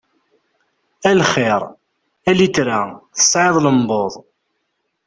A lxiṛ, a litra, tesɛiḍ llembuḍ!